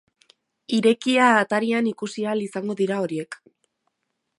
Irekia atarian ikusi ahal izango dira horiek.